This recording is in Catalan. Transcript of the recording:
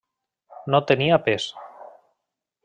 No tenia pes.